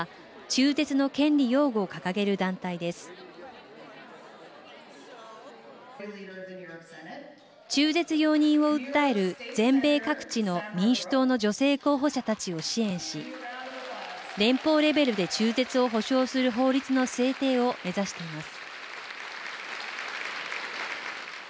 中絶容認を訴える全米各地の民主党の女性候補者たちを支援し連邦レベルで中絶を保障する法律の制定を目指しています。